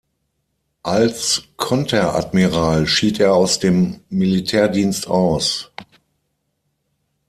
Als Konteradmiral schied er aus dem Militärdienst aus.